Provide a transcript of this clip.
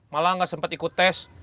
malah nggak sempat ikut tes